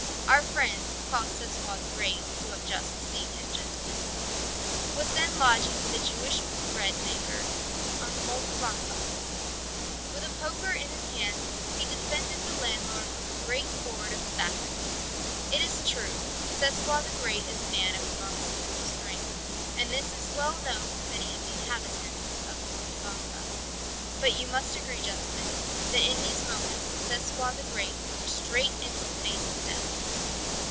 Our friend, called Sesoi the Great you have just seen him, gentlemen was then lodging with a Jewish braid maker on the Moldavanka. With a poker in his hands he defended his landlord from a great horde of assassins. It is true, Sesoi the Great is a man of enormous physical strength, and this is well known to many of the inhabitants of the Moldavanka. But you must agree, gentlemen, that in these moments Sesoi the Great looked straight into the face of death.